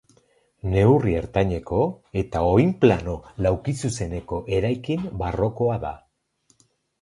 Neurri ertaineko eta oinplano laukizuzeneko eraikin barrokoa da.